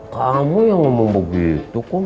kamu yang ngomong begitu kan